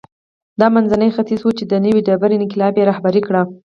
دا منځنی ختیځ و چې د نوې ډبرې انقلاب یې رهبري کړ.